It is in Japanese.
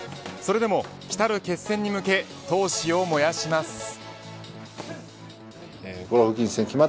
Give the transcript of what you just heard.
それでも来る決戦に向け闘志を燃やします。